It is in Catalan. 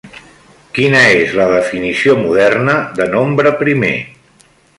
Quina és la definició moderna de nombre primer?